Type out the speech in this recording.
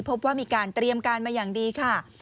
พบว่ามีการเตรียมการมาอย่างดีค่ะ